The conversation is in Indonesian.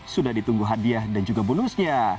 sudah ditunggu hadiah dan juga bonusnya